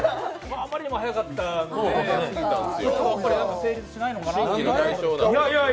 あまりにも早かったのでこれは成立しないのかな。